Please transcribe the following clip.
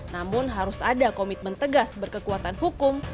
namun harus ada komitmen tegas berkekuatan hukum